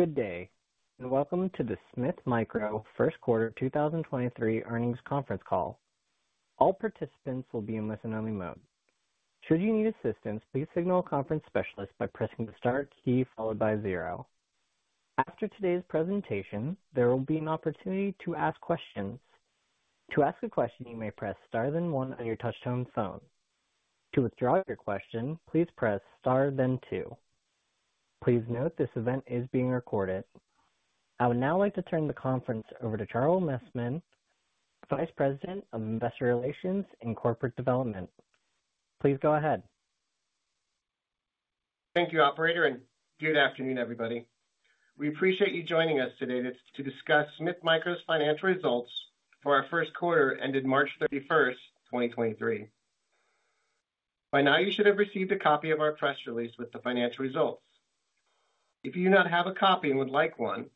Good day, welcome to the Smith Micro first quarter 2023 earnings conference call. All participants will be in listen-only mode. Should you need assistance, please signal a conference specialist by pressing the star key followed by zero. After today's presentation, there will be an opportunity to ask questions. To ask a question, you may press star then on on your touchtone phone. To withdraw your question, please press star then two. Please note this event is being recorded. I would now like to turn the conference over to Charlie Messman, Vice President of Investor Relations and Corporate Development. Please go ahead. Thank you, operator, and good afternoon, everybody. We appreciate you joining us today to discuss Smith Micro's financial results for our first quarter ended March 31st, 2023. By now, you should have received a copy of our press release with the financial results. If you do not have a copy and would like one,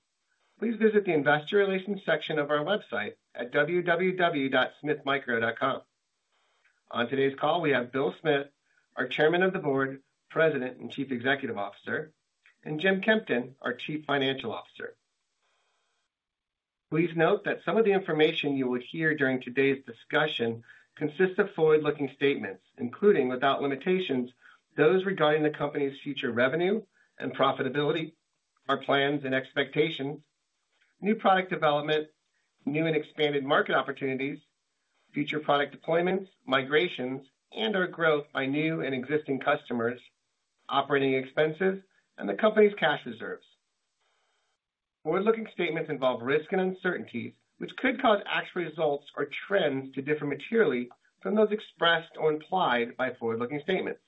please visit the investor relations section of our website at www.smithmicro.com. On today's call, we have Bill Smith, our Chairman of the Board, President, and Chief Executive Officer, and Jim Kempton, our Chief Financial Officer. Please note that some of the information you will hear during today's discussion consists of forward-looking statements, including without limitations, those regarding the company's future revenue and profitability, our plans and expectations, new product development, new and expanded market opportunities, future product deployments, migrations, and our growth by new and existing customers, operating expenses, and the company's cash reserves. Forward-looking statements involve risks and uncertainties which could cause actual results or trends to differ materially from those expressed or implied by forward-looking statements.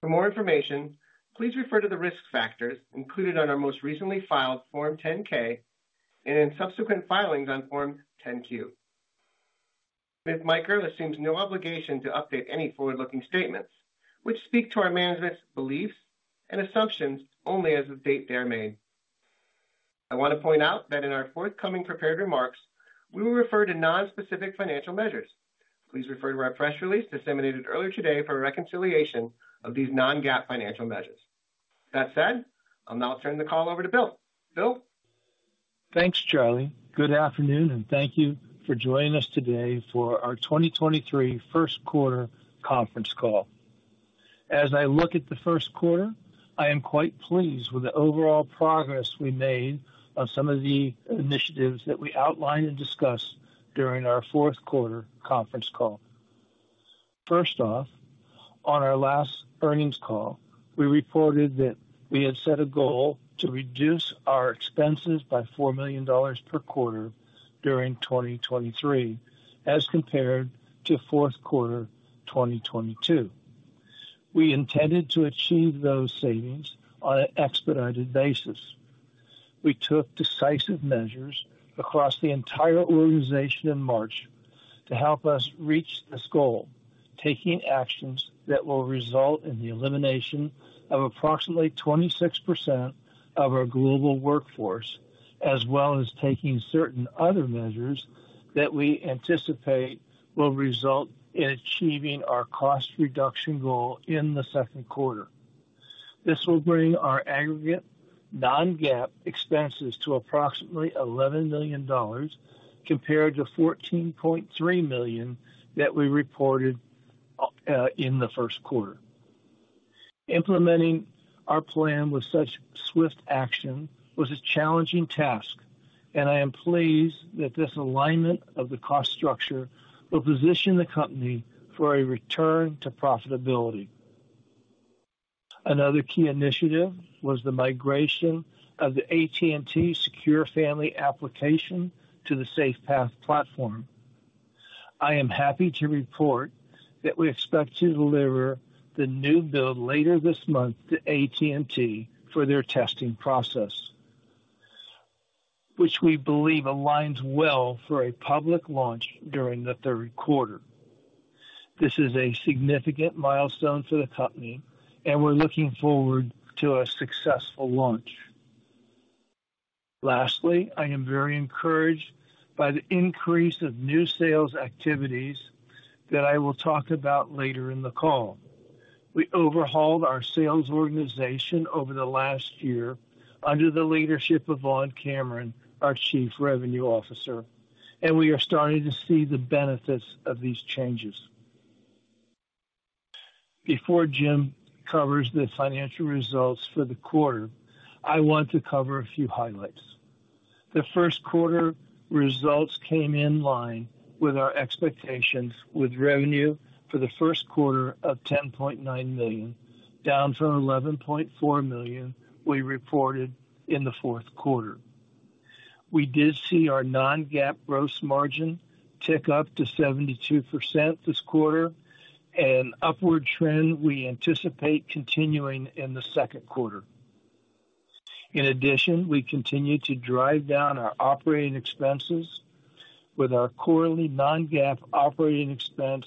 For more information, please refer to the risk factors included on our most recently filed Form 10-K and in subsequent filings on Form 10-Q. Smith Micro assumes no obligation to update any forward-looking statements which speak to our management's beliefs and assumptions only as of date they are made. I want to point out that in our forthcoming prepared remarks, we will refer to non-specific financial measures. Please refer to our press release disseminated earlier today for a reconciliation of these non-GAAP financial measures. That said, I'll now turn the call over to Bill. Bill? Thanks, Charlie. Good afternoon. Thank you for joining us today for our 2023 first quarter conference call. As I look at the first quarter, I am quite pleased with the overall progress we made on some of the initiatives that we outlined and discussed during our fourth quarter conference call. First off, on our last earnings call, we reported that we had set a goal to reduce our expenses by $4 million per quarter during 2023, as compared to fourth quarter 2022. We intended to achieve those savings on an expedited basis. We took decisive measures across the entire organization in March to help us reach this goal, taking actions that will result in the elimination of approximately 26% of our global workforce, as well as taking certain other measures that we anticipate will result in achieving our cost reduction goal in the second quarter. This will bring our aggregate non-GAAP expenses to approximately $11 million, compared to $14.3 million that we reported in the first quarter. Implementing our plan with such swift action was a challenging task. I am pleased that this alignment of the cost structure will position the company for a return to profitability. Another key initiative was the migration of the AT&T Secure Family application to the SafePath platform. I am happy to report that we expect to deliver the new build later this month to AT&T for their testing process, which we believe aligns well for a public launch during the third quarter. This is a significant milestone for the company. We're looking forward to a successful launch. Lastly, I am very encouraged by the increase of new sales activities that I will talk about later in the call. We overhauled our sales organization over the last year under the leadership of Vaughn Cameron, our Chief Revenue Officer, and we are starting to see the benefits of these changes. Before Jim covers the financial results for the quarter, I want to cover a few highlights. The first quarter results came in line with our expectations with revenue for the first quarter of $10.9 million, down from $11.4 million we reported in the fourth quarter. We did see our non-GAAP gross margin tick up to 72% this quarter, an upward trend we anticipate continuing in the second quarter. We continue to drive down our operating expenses with our quarterly non-GAAP operating expense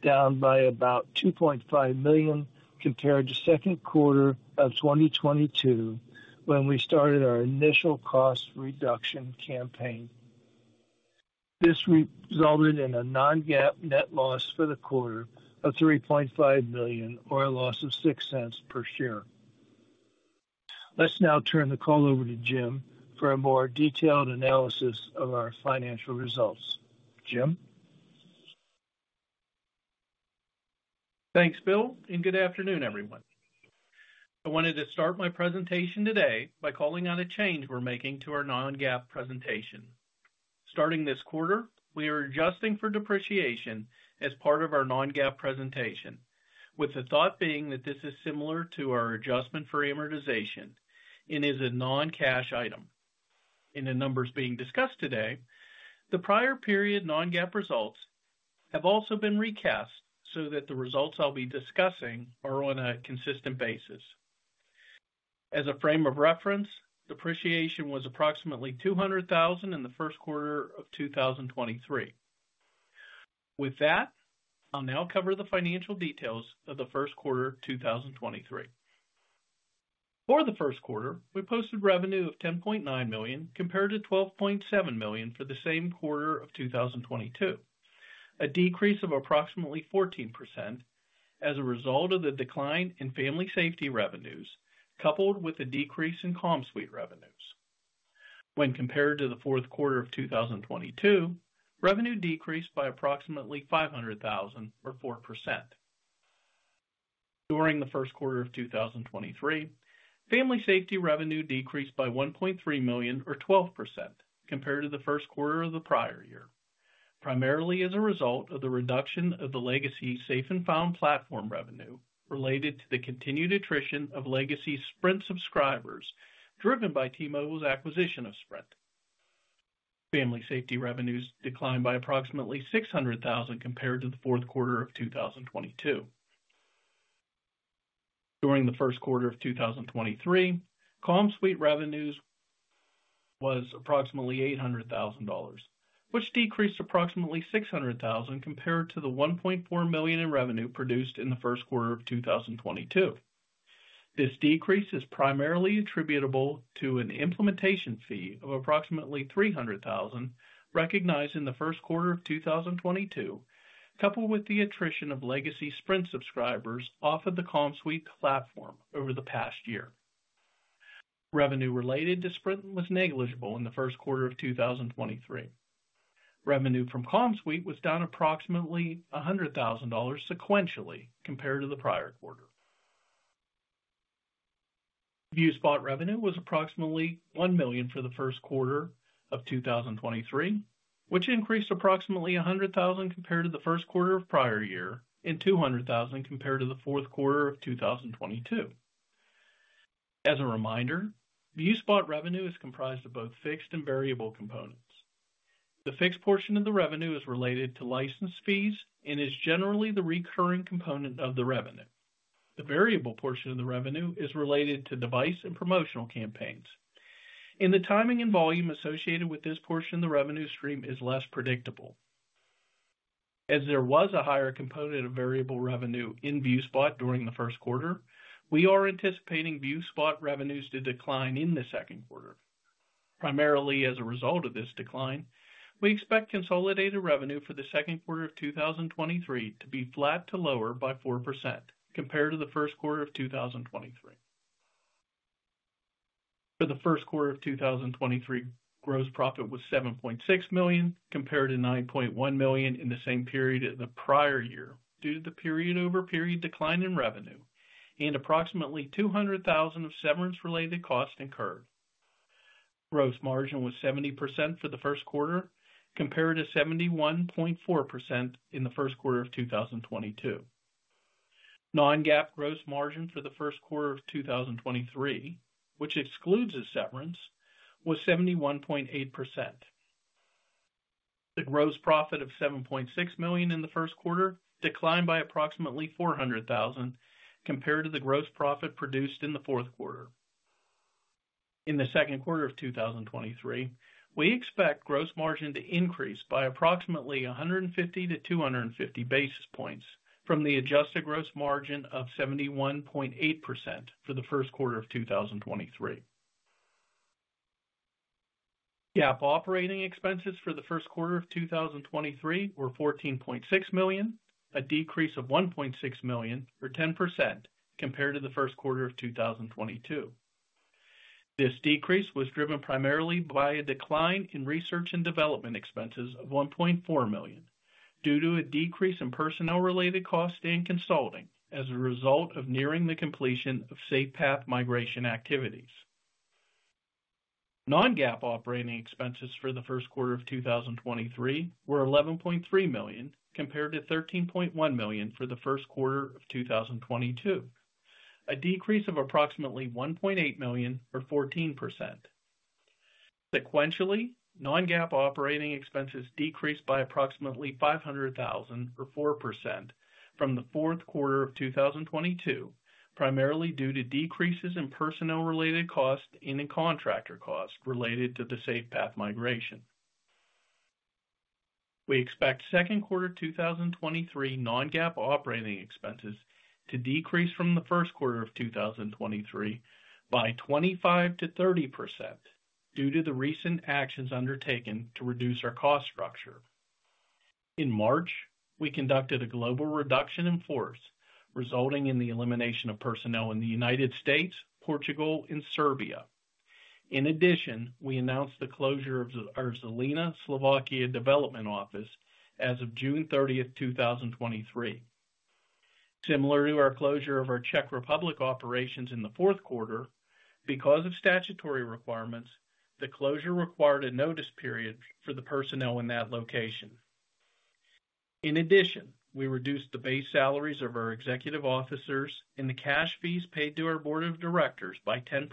down by about $2.5 million compared to second quarter of 2022, when we started our initial cost reduction campaign. This resulted in a non-GAAP net loss for the quarter of $3.5 million, or a loss of $0.06 per share. Let's now turn the call over to Jim for a more detailed analysis of our financial results. Jim? Thanks, Bill. Good afternoon, everyone. I wanted to start my presentation today by calling out a change we're making to our non-GAAP presentation. Starting this quarter, we are adjusting for depreciation as part of our non-GAAP presentation, with the thought being that this is similar to our adjustment for amortization and is a non-cash item. In the numbers being discussed today, the prior period non-GAAP results have also been recast so that the results I'll be discussing are on a consistent basis. As a frame of reference, depreciation was approximately $200,000 in the first quarter of 2023. With that, I'll now cover the financial details of the first quarter of 2023. For the first quarter, we posted revenue of $10.9 million compared to $12.7 million for the same quarter of 2022. A decrease of approximately 14% as a result of the decline in Family Safety revenues, coupled with a decrease in CommSuite revenues. When compared to the fourth quarter of 2022, revenue decreased by approximately $500,000 or 4%. During the first quarter of 2023, Family Safety revenue decreased by $1.3 million or 12% compared to the first quarter of the prior year, primarily as a result of the reduction of the legacy Safe & Found platform revenue related to the continued attrition of legacy Sprint subscribers, driven by T-Mobile's acquisition of Sprint. Family Safety revenues declined by approximately $600,000 compared to the fourth quarter of 2022. During the first quarter of 2023, CommSuite revenues was approximately $800,000, which decreased approximately $600,000 compared to the $1.4 million in revenue produced in the first quarter of 2022. This decrease is primarily attributable to an implementation fee of approximately $300,000 recognized in the first quarter of 2022, coupled with the attrition of legacy Sprint subscribers off of the CommSuite platform over the past year. Revenue related to Sprint was negligible in the first quarter of 2023. Revenue from CommSuite was down approximately $100,000 sequentially compared to the prior quarter. ViewSpot revenue was approximately $1 million for the first quarter of 2023, which increased approximately $100,000 compared to the first quarter of prior year and $200,000 compared to the fourth quarter of 2022. As a reminder, ViewSpot revenue is comprised of both fixed and variable components. The fixed portion of the revenue is related to license fees and is generally the recurring component of the revenue. The variable portion of the revenue is related to device and promotional campaigns, and the timing and volume associated with this portion of the revenue stream is less predictable. As there was a higher component of variable revenue in ViewSpot during the first quarter, we are anticipating ViewSpot revenues to decline in the second quarter. Primarily as a result of this decline, we expect consolidated revenue for the second quarter of 2023 to be flat to lower by 4% compared to the first quarter of 2023. For the first quarter of 2023, gross profit was $7.6 million, compared to $9.1 million in the same period as the prior year due to the period-over-period decline in revenue and approximately $200,000 of severance related costs incurred. Gross margin was 70% for the first quarter, compared to 71.4% in the first quarter of 2022. non-GAAP gross margin for the first quarter of 2023, which excludes a severance, was 71.8%. The gross profit of $7.6 million in the first quarter declined by approximately $400,000 compared to the gross profit produced in the fourth quarter. In the second quarter of 2023, we expect gross margin to increase by approximately 150-250 basis points from the adjusted gross margin of 71.8% for the first quarter of 2023. GAAP operating expenses for the first quarter of 2023 were $14.6 million, a decrease of $1.6 million or 10% compared to the first quarter of 2022. This decrease was driven primarily by a decline in research and development expenses of $1.4 million due to a decrease in personnel related costs and consulting as a result of nearing the completion of SafePath migration activities. Non-GAAP operating expenses for the first quarter of 2023 were $11.3 million, compared to $13.1 million for the first quarter of 2022, a decrease of approximately $1.8 million or 14%. Sequentially, non-GAAP operating expenses decreased by approximately $500,000 or 4% from the fourth quarter of 2022, primarily due to decreases in personnel related costs and in contractor costs related to the SafePath migration. We expect second quarter 2023 non-GAAP operating expenses to decrease from the first quarter of 2023 by 25%-30% due to the recent actions undertaken to reduce our cost structure. In March, we conducted a global reduction in force, resulting in the elimination of personnel in the United States, Portugal, and Serbia. In addition, we announced the closure of our Zilina Slovakia development office as of June 30, 2023. Similar to our closure of our Czech Republic operations in the fourth quarter, because of statutory requirements, the closure required a notice period for the personnel in that location. In addition, we reduced the base salaries of our executive officers and the cash fees paid to our board of directors by 10%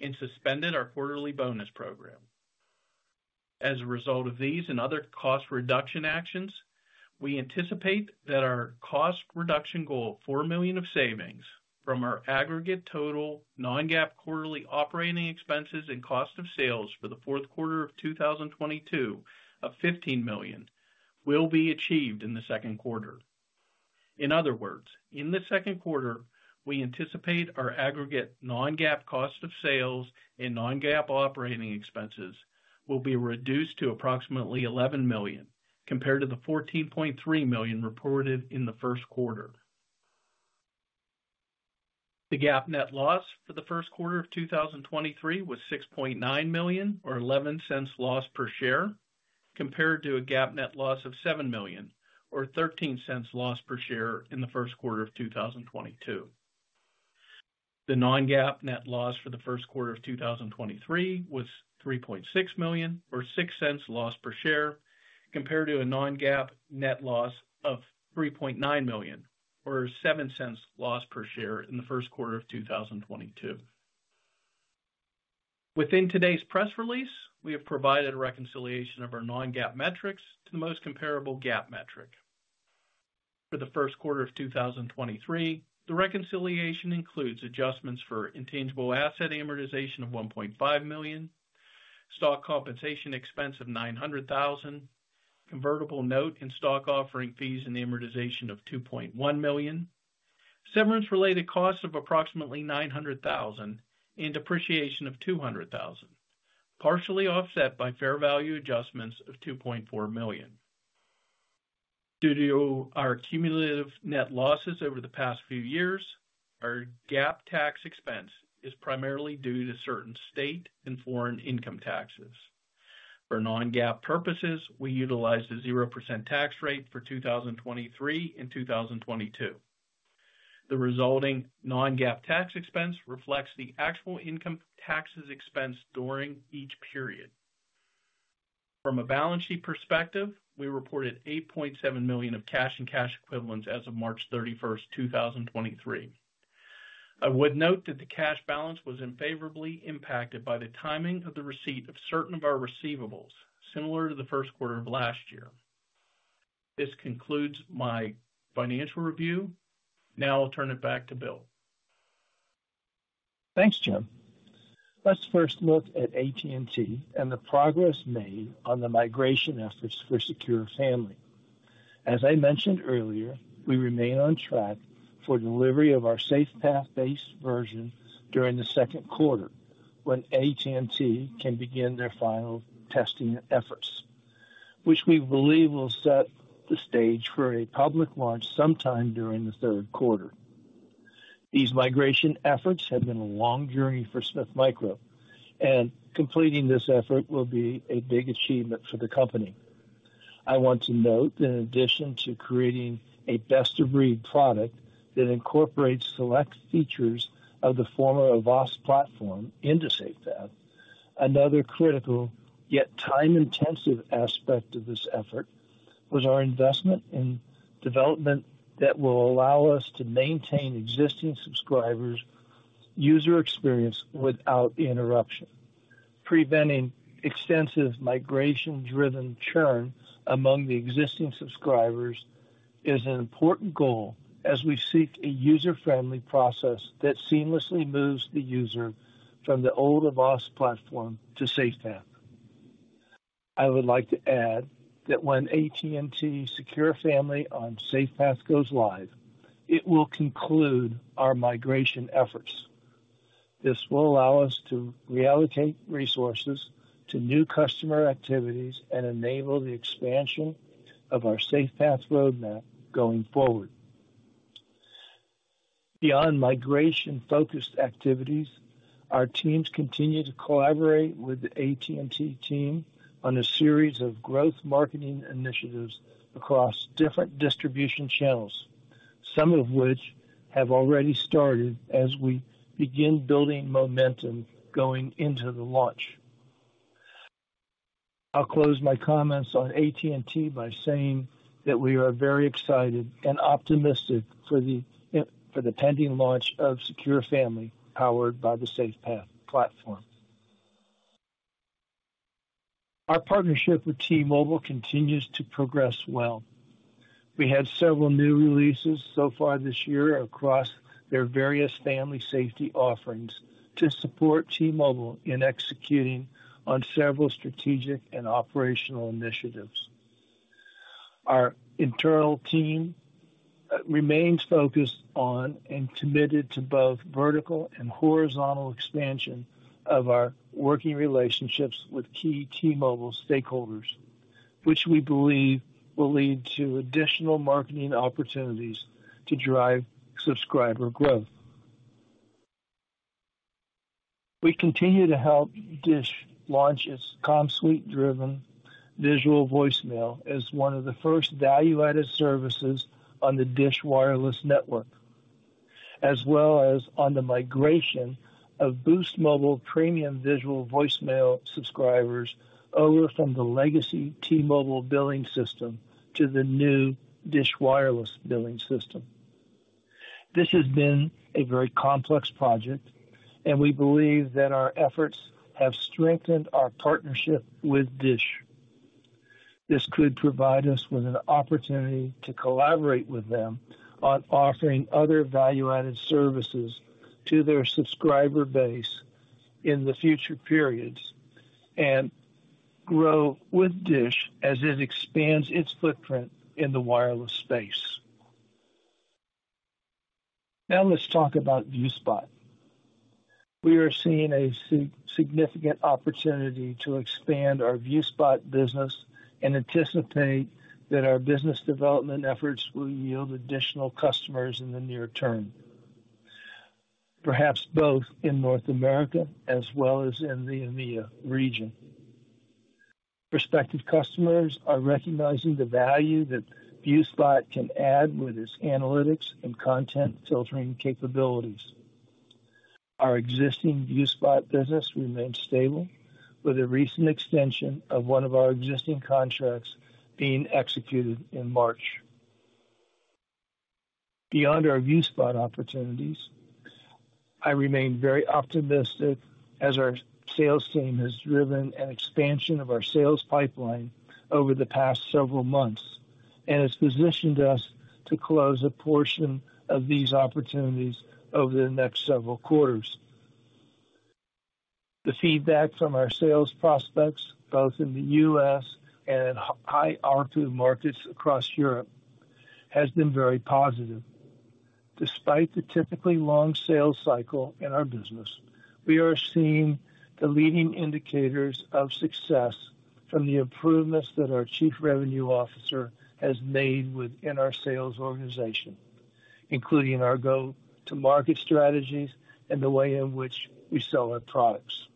and suspended our quarterly bonus program. As a result of these and other cost reduction actions, we anticipate that our cost reduction goal of $4 million of savings from our aggregate total non-GAAP quarterly operating expenses and cost of sales for the fourth quarter of 2022 of $15 million will be achieved in the second quarter. In other words, in the second quarter, we anticipate our aggregate non-GAAP cost of sales and non-GAAP operating expenses will be reduced to approximately $11 million compared to the $14.3 million reported in the first quarter. The GAAP net loss for the first quarter of 2023 was $6.9 million or $0.11 loss per share, compared to a GAAP net loss of $7 million or $0.13 loss per share in the first quarter of 2022. The non-GAAP net loss for the first quarter of 2023 was $3.6 million or $0.06 loss per share, compared to a non-GAAP net loss of $3.9 million or $0.07 loss per share in the first quarter of 2022. Within today's press release, we have provided a reconciliation of our non-GAAP metrics to the most comparable GAAP metric. For the first quarter of 2023, the reconciliation includes adjustments for intangible asset amortization of $1.5 million, stock compensation expense of $900,000, convertible note and stock offering fees, and amortization of $2.1 million. Severance-related costs of approximately $900,000 and depreciation of $200,000, partially offset by fair value adjustments of $2.4 million. Due to our cumulative net losses over the past few years, our GAAP tax expense is primarily due to certain state and foreign income taxes. For non-GAAP purposes, we utilize the 0% tax rate for 2023 and 2022. The resulting non-GAAP tax expense reflects the actual income taxes expense during each period. From a balance sheet perspective, we reported $8.7 million of cash and cash equivalents as of March 31st, 2023. I would note that the cash balance was unfavorably impacted by the timing of the receipt of certain of our receivables, similar to the first quarter of last year. This concludes my financial review. I'll turn it back to Bill. Thanks, Jim. Let's first look at AT&T and the progress made on the migration efforts for Secure Family. As I mentioned earlier, we remain on track for delivery of our SafePath based version during the second quarter, when AT&T can begin their final testing efforts, which we believe will set the stage for a public launch sometime during the third quarter. These migration efforts have been a long journey for Smith Micro, and completing this effort will be a big achievement for the company. I want to note that in addition to creating a best of breed product that incorporates select features of the former Avast platform into SafePath, another critical yet time-intensive aspect of this effort was our investment in development that will allow us to maintain existing subscribers' user experience without interruption. Preventing extensive migration-driven churn among the existing subscribers is an important goal as we seek a user-friendly process that seamlessly moves the user from the old Avast platform to SafePath. I would like to add that when AT&T Secure Family on SafePath goes live, it will conclude our migration efforts. This will allow us to reallocate resources to new customer activities and enable the expansion of our SafePath roadmap going forward. Beyond migration-focused activities, our teams continue to collaborate with the AT&T team on a series of growth marketing initiatives across different distribution channels, some of which have already started as we begin building momentum going into the launch. I'll close my comments on AT&T by saying that we are very excited and optimistic for the pending launch of Secure Family, powered by the SafePath platform. Our partnership with T-Mobile continues to progress well. We had several new releases so far this year across their various Family Safety offerings to support T-Mobile in executing on several strategic and operational initiatives. Our internal team remains focused on and committed to both vertical and horizontal expansion of our working relationships with key T-Mobile stakeholders, which we believe will lead to additional marketing opportunities to drive subscriber growth. We continue to help DISH launch its CommSuite-driven Visual Voicemail as one of the first value-added services on the DISH Wireless network, as well as on the migration of Boost Mobile premium Visual Voicemail subscribers over from the legacy T-Mobile billing system to the new DISH Wireless billing system. This has been a very complex project and we believe that our efforts have strengthened our partnership with DISH. This could provide us with an opportunity to collaborate with them on offering other value-added services to their subscriber base in the future periods and grow with DISH as it expands its footprint in the wireless space. Let's talk about ViewSpot. We are seeing a significant opportunity to expand our ViewSpot business and anticipate that our business development efforts will yield additional customers in the near term, perhaps both in North America as well as in the EMEA region. Prospective customers are recognizing the value that ViewSpot can add with its analytics and content filtering capabilities. Our existing ViewSpot business remains stable with a recent extension of one of our existing contracts being executed in March. Beyond our ViewSpot opportunities, I remain very optimistic as our sales team has driven an expansion of our sales pipeline over the past several months and has positioned us to close a portion of these opportunities over the next several quarters. The feedback from our sales prospects, both in the U.S. and high ARPU markets across Europe, has been very positive. Despite the typically long sales cycle in our business, we are seeing the leading indicators of success from the improvements that our chief revenue officer has made within our sales organization, including our go-to-market strategies and the way in which we sell our products.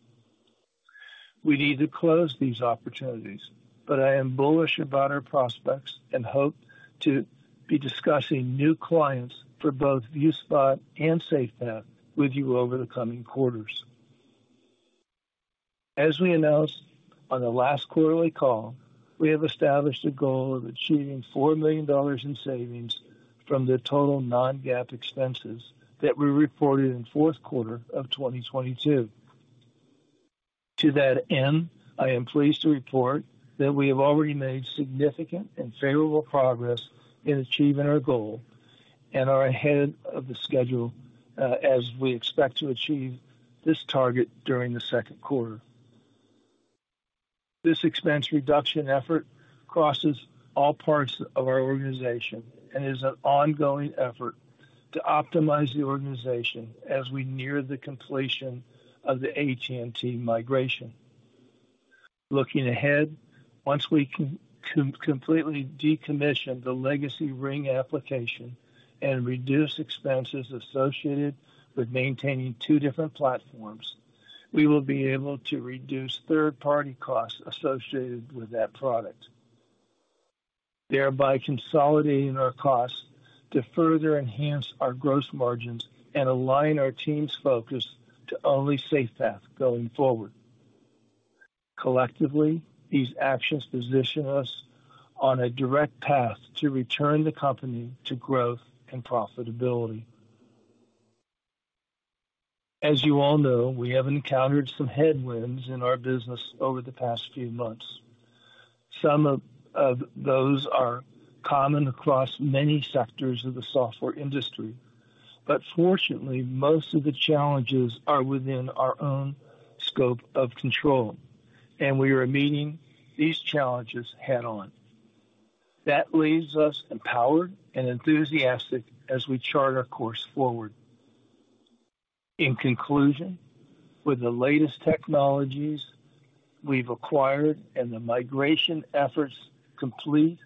We need to close these opportunities, but I am bullish about our prospects and hope to be discussing new clients for both ViewSpot and SafePath with you over the coming quarters. As we announced on the last quarterly call, we have established a goal of achieving $4 million in savings from the total non-GAAP expenses that we reported in fourth quarter of 2022. To that end, I am pleased to report that we have already made significant and favorable progress in achieving our goal and are ahead of the schedule, as we expect to achieve this target during the second quarter. This expense reduction effort crosses all parts of our organization and is an ongoing effort to optimize the organization as we near the completion of the AT&T migration. Looking ahead, once we completely decommission the legacy Ring application and reduce expenses associated with maintaining two different platforms, we will be able to reduce third-party costs associated with that product, thereby consolidating our costs to further enhance our gross margins and align our team's focus to only SafePath going forward. Collectively, these actions position us on a direct path to return the company to growth and profitability. As you all know, we have encountered some headwinds in our business over the past few months. Some of those are common across many sectors of the software industry. Fortunately, most of the challenges are within our own scope of control. We are meeting these challenges head-on. That leaves us empowered and enthusiastic as we chart our course forward. In conclusion, with the latest technologies we've acquired and the migration efforts complete,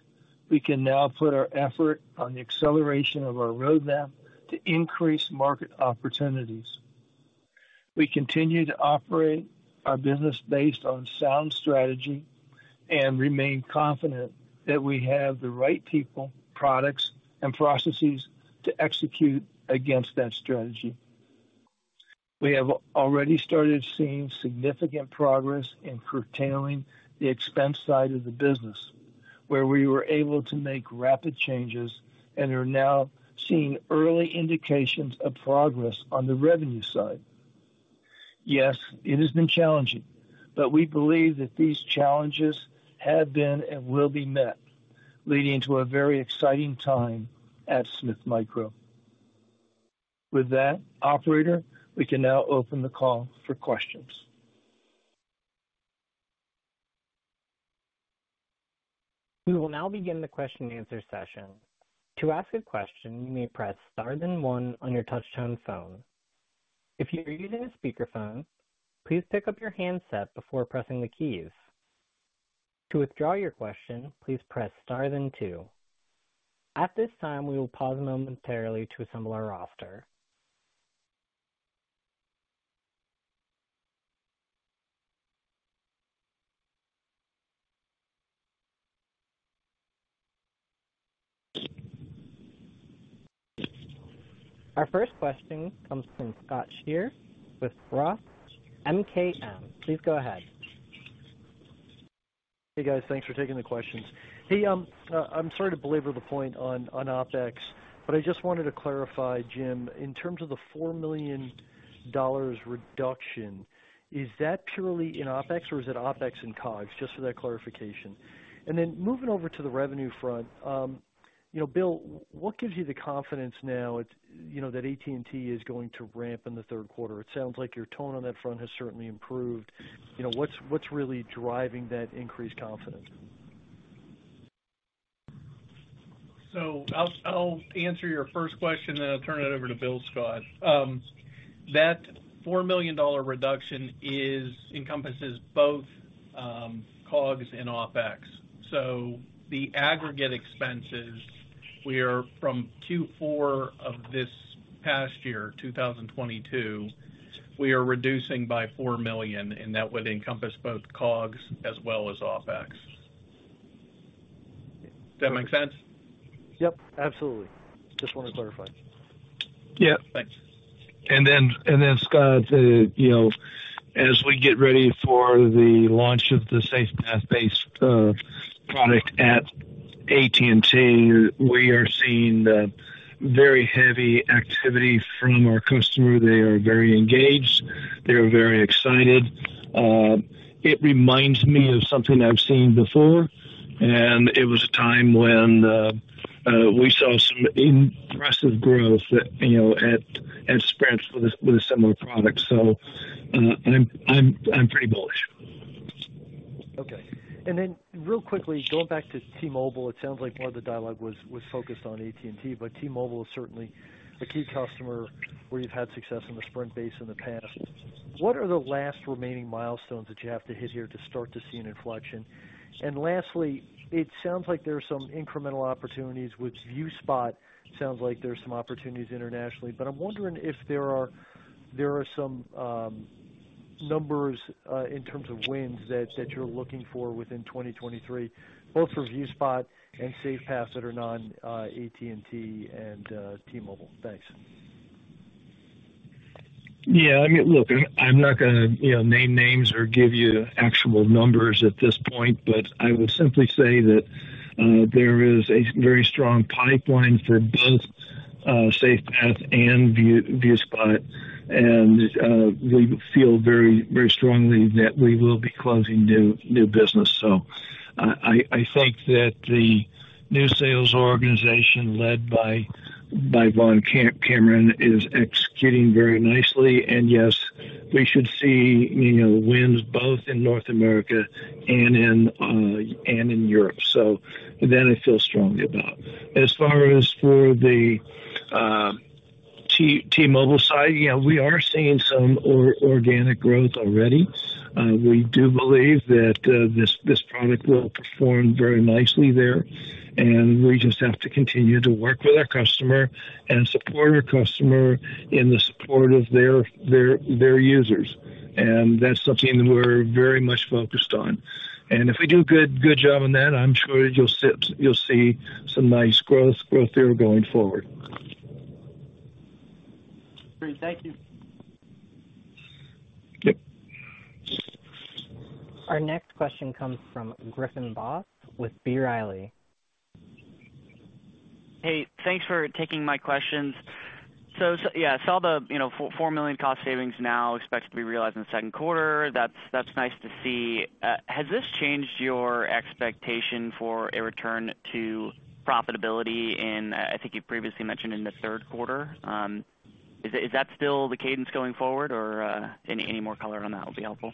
we can now put our effort on the acceleration of our roadmap to increase market opportunities. We continue to operate our business based on sound strategy and remain confident that we have the right people, products, and processes to execute against that strategy. We have already started seeing significant progress in curtailing the expense side of the business, where we were able to make rapid changes and are now seeing early indications of progress on the revenue side. Yes, it has been challenging, but we believe that these challenges have been and will be met, leading to a very exciting time at Smith Micro. With that, Operator, we can now open the call for questions. We will now begin the question and answer session. To ask a question, you may press star then one on your touch-tone phone. If you're using a speakerphone, please pick up your handset before pressing the keys. To withdraw your question, please press star then two. At this time, we will pause momentarily to assemble our roster. Our first question comes from Scott Searle with Roth MKM. Please go ahead. Hey, guys. Thanks for taking the questions. Hey, I'm sorry to belabor the point on OpEx, but I just wanted to clarify, Jim, in terms of the $4 million reduction, is that purely in OpEx or is it OpEx in COGS? Just for that clarification. Moving over to the revenue front, you know, Bill, what gives you the confidence now you know, that AT&T is going to ramp in the third quarter? It sounds like your tone on that front has certainly improved. You know, what's really driving that increased confidence? I'll answer your first question, then I'll turn it over to Bill, Scott. That $4 million reduction encompasses both COGS and OpEx. The aggregate expenses we are from Q4 of this past year, 2022, we are reducing by $4 million, and that would encompass both COGS as well as OpEx. Does that make sense? Yep, absolutely. Just wanted to clarify. Yeah. Thanks. Scott, you know, as we get ready for the launch of the SafePath-based product at AT&T, we are seeing the very heavy activity from our customer. They are very engaged. They are very excited. It reminds me of something I've seen before, and it was a time when we saw some impressive growth, you know, at Sprint with a similar product. I'm pretty bullish. Okay. Real quickly, going back to T-Mobile, it sounds like part of the dialogue was focused on AT&T, but T-Mobile is certainly a key customer where you've had success on the Sprint base in the past. What are the last remaining milestones that you have to hit here to start to see an inflection? Lastly, it sounds like there are some incremental opportunities with ViewSpot. Sounds like there's some opportunities internationally. I'm wondering if there are some numbers in terms of wins that you're looking for within 2023, both for ViewSpot and SafePath that are non-AT&T and T-Mobile. Thanks. Yeah, I mean, look, I'm not gonna, you know, name names or give you actual numbers at this point, but I will simply say that there is a very strong pipeline for both SafePath and ViewSpot. We feel very, very strongly that we will be closing new business. I think that the new sales organization led by Vaughn Cameron is executing very nicely. Yes, we should see, you know, wins both in North America and in Europe. That I feel strongly about. As far as for the T-Mobile side, you know, we are seeing some organic growth already. We do believe that this product will perform very nicely there. We just have to continue to work with our customer and support our customer in the support of their users. That's something we're very much focused on. If we do a good job on that, I'm sure you'll see some nice growth there going forward. Great. Thank you. Yep. Our next question comes from Griffin Boss with B. Riley. Hey, thanks for taking my questions. Yeah, I saw the, you know, $4 million cost savings now expected to be realized in the second quarter. That's nice to see. Has this changed your expectation for a return to profitability in, I think you previously mentioned in the third quarter? Is that still the cadence going forward or any more color on that will be helpful.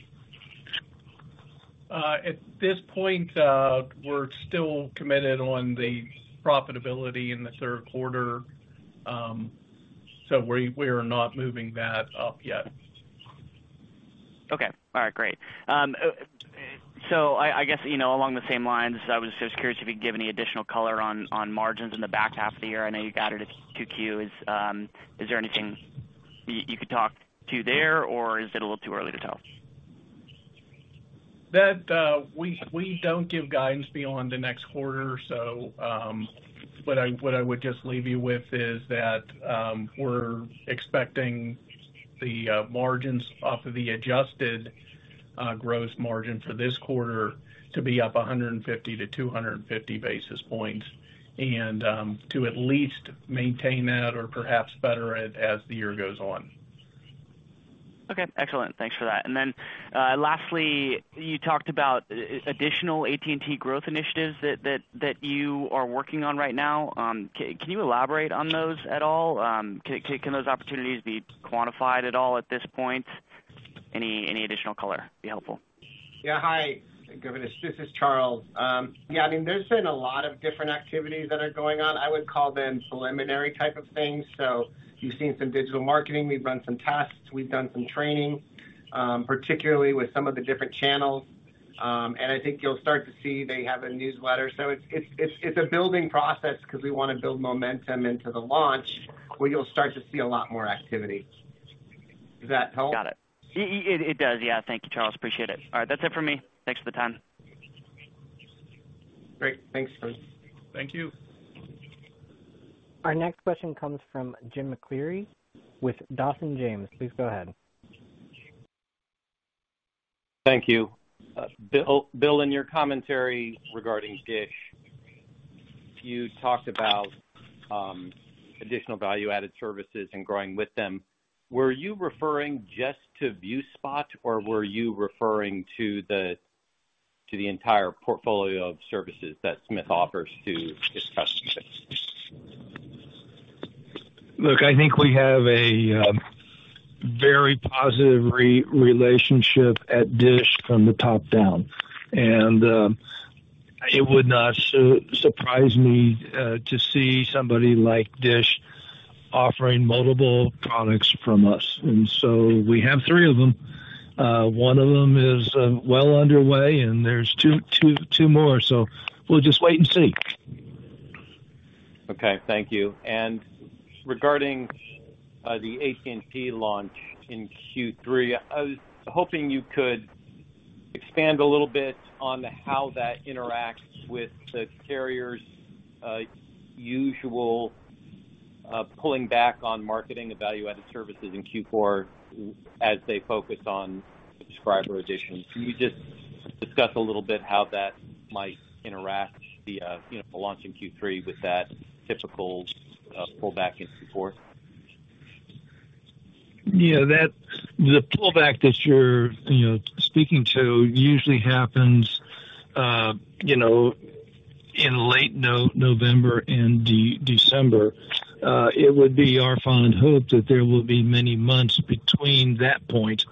At this point, we're still committed on the profitability in the third quarter. We are not moving that up yet. Okay. All right, great. I guess, you know, along the same lines, I was just curious if you could give any additional color on margins in the back half of the year. I know you've added a few queues. Is there anything you could talk to there, or is it a little too early to tell? we don't give guidance beyond the next quarter. what I would just leave you with is that we're expecting the margins off of the adjusted Gross margin for this quarter to be up 150 basis points-250 basis points and to at least maintain that or perhaps better it as the year goes on. Okay, excellent. Thanks for that. Lastly, you talked about additional AT&T growth initiatives that you are working on right now. Can you elaborate on those at all? Can those opportunities be quantified at all at this point? Any additional color would be helpful. Yeah. Hi, Griffin. This is Charlie. Yeah, I mean, there's been a lot of different activities that are going on. I would call them preliminary type of things. You've seen some digital marketing, we've run some tests, we've done some training, particularly with some of the different channels. I think you'll start to see they have a newsletter. It's a building process because we wanna build momentum into the launch, where you'll start to see a lot more activity. Does that help? Got it. It does. Yeah. Thank you, Charlie. Appreciate it. All right, that's it for me. Thanks for the time. Great. Thanks, Chris. Thank you. Our next question comes from Jim Mcllree with Dawson James. Please go ahead. Thank you. Bill, in your commentary regarding DISH, you talked about additional value-added services and growing with them. Were you referring just to ViewSpot or were you referring to the entire portfolio of services that Smith offers to its customers? Look, I think we have a very positive relationship at DISH from the top down. It would not surprise me to see somebody like DISH offering multiple products from us. We have three of them. One of them is well underway, and there's two more. We'll just wait and see. Okay, thank you. Regarding the AT&T launch in Q3, I was hoping you could expand a little bit on how that interacts with the carrier's usual pulling back on marketing the value-added services in Q4 as they focus on subscriber additions. Can you just discuss a little bit how that might interact, the, you know, the launch in Q3 with that typical pullback in Q4? Yeah, that's the pullback that you're, you know, speaking to usually happens, you know, in late November and December. It would be our fond hope that there will be many months between that point,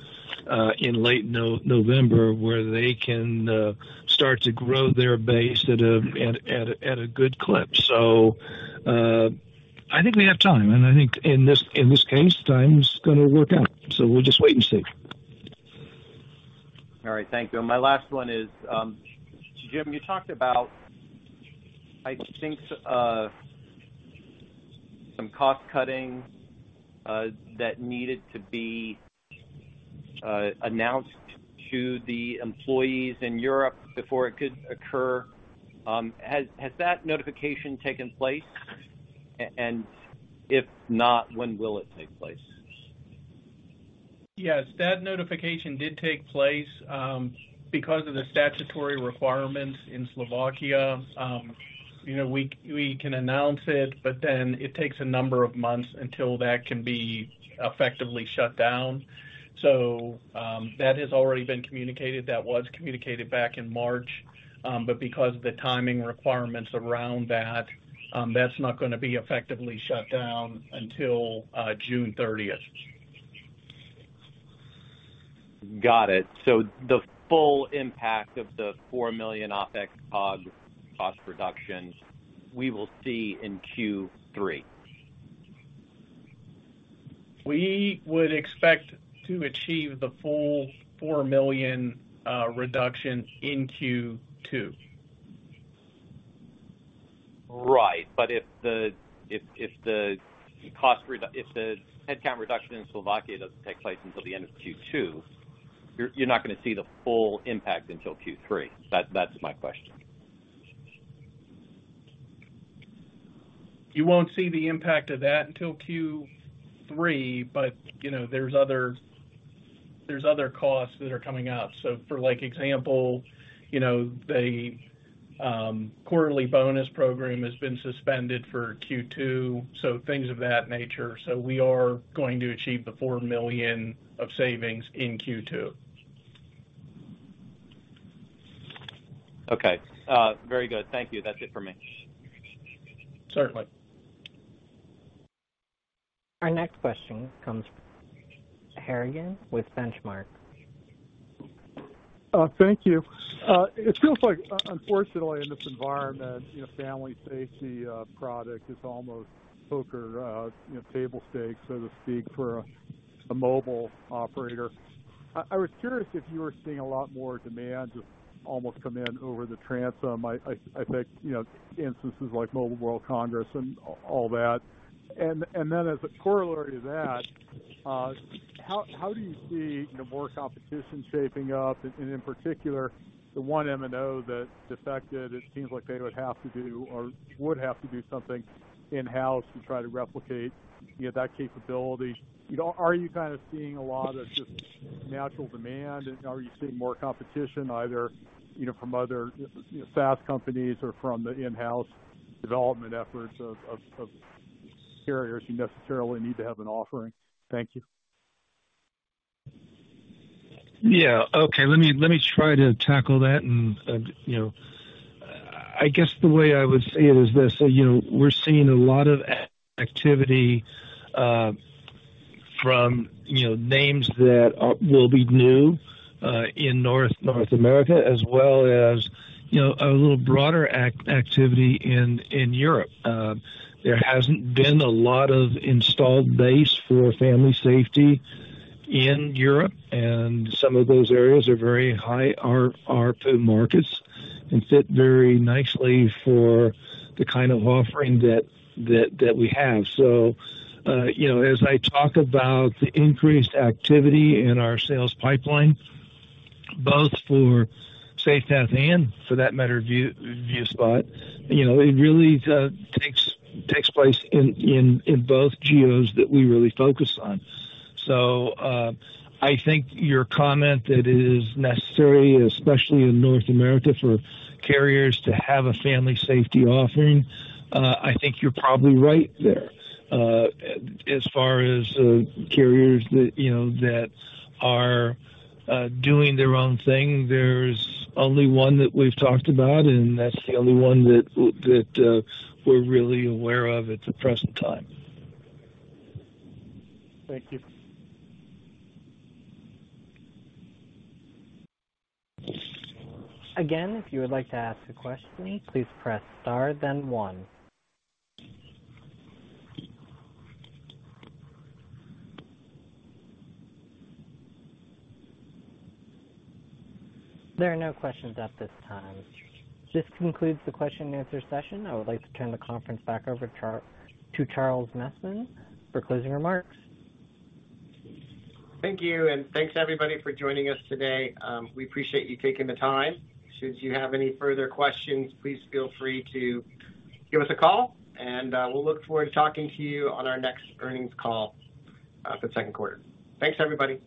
in late November where they can start to grow their base at a good clip. I think we have time, and I think in this, in this case, time is gonna work out. We'll just wait and see. All right, thank you. My last one is, Jim you talked about, I think, some cost-cutting that needed to be announced to the employees in Europe before it could occur. Has that notification taken place? If not, when will it take place? That notification did take place because of the statutory requirements in Slovakia. You know, we can announce it, but then it takes a number of months until that can be effectively shut down. That has already been communicated. That was communicated back in March. Because of the timing requirements around that's not gonna be effectively shut down until June 30th. Got it. The full impact of the $4 million OPEX COG cost reductions we will see in Q3. We would expect to achieve the full $4 million reduction in Q2. Right. If the headcount reduction in Slovakia doesn't take place until the end of Q2, you're not gonna see the full impact until Q3. That's my question? You won't see the impact of that until Q3. You know, there's other, there's other costs that are coming up. For, like, example, you know, the quarterly bonus program has been suspended for Q2, so things of that nature. We are going to achieve the $4 million of savings in Q2. Okay. Very good. Thank you. That's it for me. Certainly. Our next question comes from Harrigan with Benchmark. Thank you. It feels like unfortunately in this environment, you know, Family Safety product is almost poker, you know, table stakes, so to speak, for a mobile operator. I was curious if you were seeing a lot more demand just almost come in over the transom. I think, you know, instances like Mobile World Congress and all that. Then as a corollary to that, how do you see, you know, more competition shaping up? In particular, the one MNO that defected, it seems like they would have to do something in-house to try to replicate, you know, that capability. You know, are you kind of seeing a lot of just natural demand? Are you seeing more competition either, you know, from other, you know, SaaS companies or from the in-house development efforts of carriers who necessarily need to have an offering? Thank you. Yeah. Okay. Let me try to tackle that. You know, I guess the way I would say it is this, you know, we're seeing a lot of activity from, you know, names that will be new in North America as well as, you know, a little broader activity in Europe. There hasn't been a lot of installed base for Family Safety in Europe, and some of those areas are very high ARPU markets and fit very nicely for the kind of offering that we have. You know, as I talk about the increased activity in our sales pipeline, both for SafePath and for that matter, ViewSpot, you know, it really takes place in both geos that we really focus on. I think your comment that it is necessary, especially in North America, for carriers to have a family safety offering, I think you're probably right there. As far as carriers that, you know, that are doing their own thing, there's only one that we've talked about, and that's the only one that we're really aware of at the present time. Thank you. Again, if you would like to ask a question, please press star then one. There are no questions at this time. This concludes the question and answer session. I would like to turn the conference back over to Charlie Messman for closing remarks. Thank you, and thanks everybody for joining us today. We appreciate you taking the time. Should you have any further questions, please feel free to give us a call and, we'll look forward to talking to you on our next earnings call, for the second quarter. Thanks, everybody.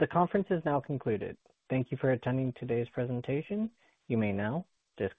The conference is now concluded. Thank you for attending today's presentation. You may now disconnect.